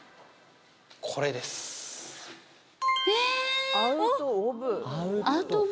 これですえ！